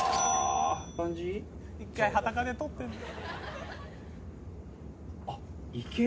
「１回裸で撮ってんだ」